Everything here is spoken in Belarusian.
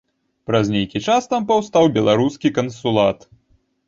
Праз нейкі час там паўстаў беларускі кансулат.